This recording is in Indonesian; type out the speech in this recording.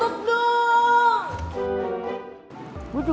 gue juga belum ada yang nyampe